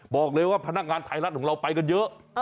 บอกเลยว่าพนักงานไทยรัฐของเราไปกันเยอะ